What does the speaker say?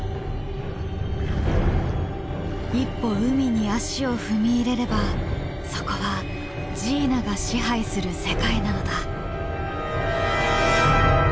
一歩海に足を踏み入れればそこはジーナが支配する世界なのだ。